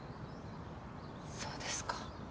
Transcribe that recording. そうですか。